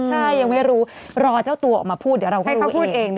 ใช่ยังไม่รู้รอเจ้าตัวออกมาพูดเดี๋ยวเราค่อยพูดเอง